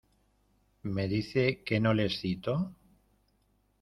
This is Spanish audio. ¿ me dice que no le excito?